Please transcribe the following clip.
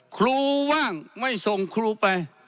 ครูว่างไม่ส่งครูไป